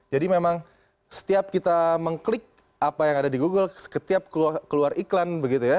jadi memang setiap kita mengklik apa yang ada di google setiap keluar iklan begitu ya